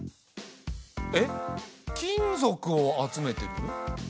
えっ金属を集めてる？